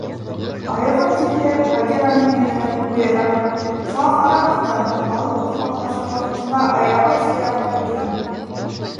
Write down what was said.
Айыуҙың тиреһе Багираның йөнөнән ҡуйыраҡ, шуға ҡарамаҫтан, Балу уҫмаҡлашыу ваҡытында аяуһыҙ зыян күргәйне.